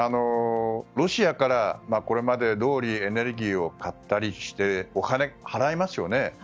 ロシアから、これまでどおりエネルギーを買ったりしてお金を払いますよね。